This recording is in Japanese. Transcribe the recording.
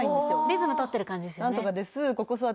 リズム取ってる感じですよね